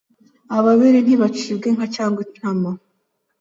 Ababiri ntibacibwa inka cyangwa intama